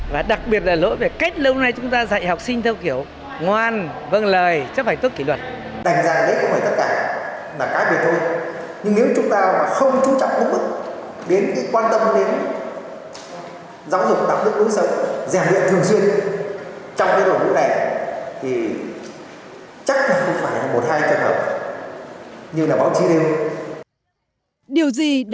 và đặc biệt là lỗi về cách lâu nay chúng ta dạy học sinh theo kiểu